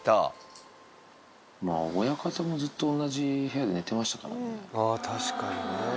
まあ、親方もずっと同じ部屋で寝てましたからね。